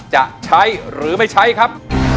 จะใช้หรือไม่ใช้ครับ